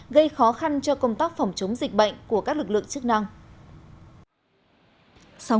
gây khó khăn cho công tác phòng chống dịch bệnh của các lực lượng chức năng